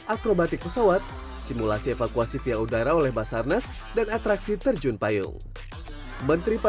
akrobatik pesawat simulasi evakuasi via udara oleh basarnas dan atraksi terjun payung menteri